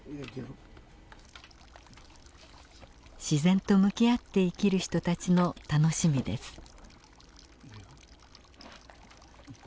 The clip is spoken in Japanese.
自然と向き合って生きる人たちの楽しみです。